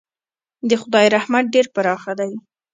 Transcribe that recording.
د خدای رحمت ډېر پراخه دی.